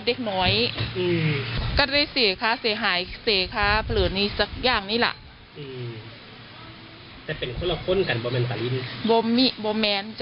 บอกแนนถ่ายริน